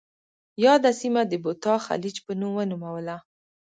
یاده سیمه د بوتا خلیج په نوم ونوموله.